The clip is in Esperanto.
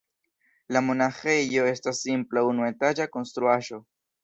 La monaĥejo estas simpla unuetaĝa konstruaĵo.